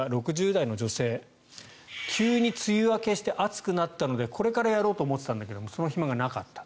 ６０代の女性急に梅雨明けして暑くなったのでこれからやろうと思っていたんだけどその暇がなかった。